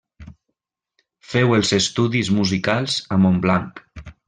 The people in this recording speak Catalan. Féu els estudis musicals a Montblanc.